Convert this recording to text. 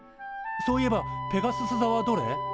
そういえばペガスス座はどれ？